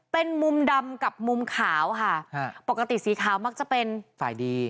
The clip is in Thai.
เป็นมุมดำกับมุมขาวค่ะปกติสีขาวมักจะเป็นฝ่ายดี